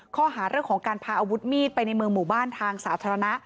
ข้อหาเรื่องของการพาอาวุธมีดไปในเมืองหมู่บ้านทางสาธารณะ